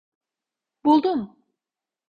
Buldum!